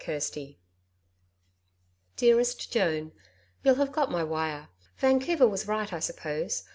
CHAPTER 2 'Dearest Joan, You'll have got my wire. Vancouver was right, I suppose.